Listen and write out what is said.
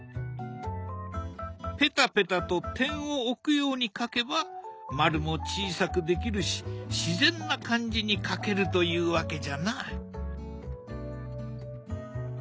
ペタペタと点を置くように描けば丸も小さくできるし自然な感じに描けるというわけじゃな。